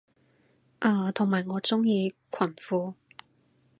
啊同埋我鍾意裙褲